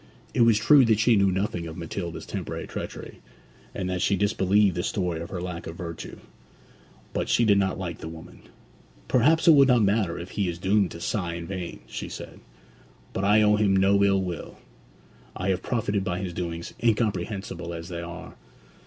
It was true that she knew nothing of Matilda's temporary treachery, and that she disbelieved the story of her lack of virtue; but she did not like the woman. 'Perhaps it will not matter if he is doomed to sigh in vain,' she said. 'But I owe him no ill will. I have profited by his doings, incomprehensible as they are.'